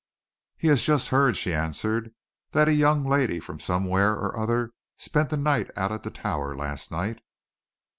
"He has just heard," she answered, "that a young lady from somewhere or other spent the night out at the tower last night."